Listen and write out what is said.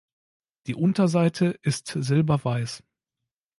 Die Unterseite ist silberweiß.